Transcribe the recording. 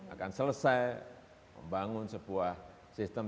akan selesai membangun sebuah sistem